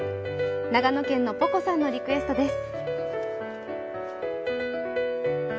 長野県のぽこさんのリクエストです。